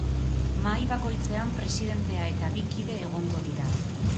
Mahai bakoitzean presidentea eta bi kide egongo dira.